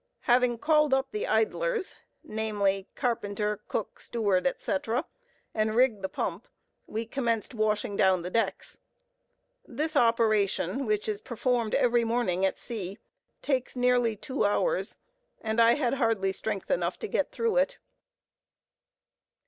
Having called up the "idlers," namely carpenter, cook, steward, etc., and rigged the pump, we commenced washing down the decks. This operation, which is performed every morning at sea, takes nearly two hours; and I had hardly strength enough to get through it.